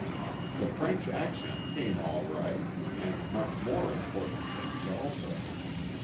The French accent came all right and much more important things also.